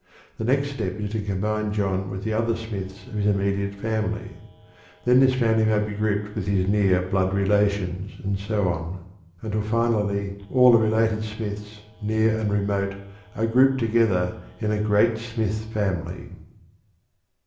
The next step is to combine John with the other Smiths of his immediate family. Then this family may be grouped with his near blood relations, and so on, until finally all the related Smiths, near and remote, are grouped together in a great Smith family.